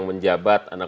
itu sudah lebat ya